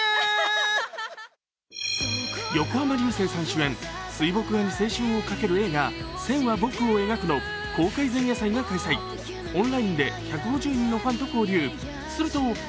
横浜流星さん主演、水墨画に青春をかける映画「線は、僕を描く」の公開前夜祭が開催、オンラインで１５０人のファンと交流。